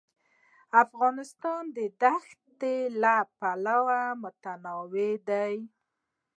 افغانستان د ښتې له پلوه متنوع دی.